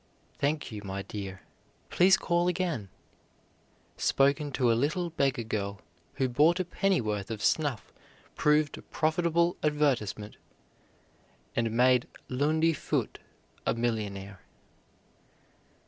"Thank you, my dear; please call again," spoken to a little beggar girl who bought a pennyworth of snuff proved a profitable advertisement and made Lundy Foote a millionaire.